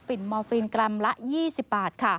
ฟิลล์มอร์ฟินกลำละ๒๐บาท